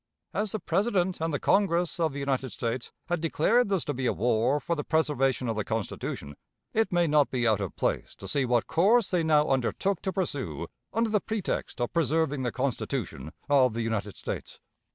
As the President and the Congress of the United States had declared this to be a war for the preservation of the Constitution, it may not be out of place to see what course they now undertook to pursue under the pretext of preserving the Constitution of the United States.